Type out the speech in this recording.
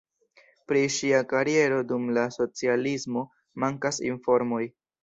Pri ŝia kariero dum la socialismo mankas informoj.